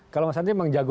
kalau mas sandi mengatakan